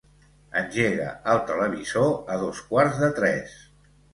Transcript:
Engega el televisor a dos quarts de tres.